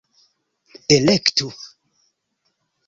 elektu